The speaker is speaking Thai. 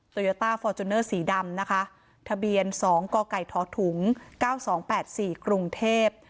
ตัวโยต้าฟอร์จูเนอร์สีดำนะคะทะเบียนสองก่อก่ายท้อถุงเก้าสองแปดสี่กรุงเทพ